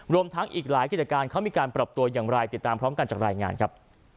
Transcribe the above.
รวมทั้งอีกหลายกิจการเขามีการปรับตัวอย่างไรติดตามพร้อมกันจากรายงานครับ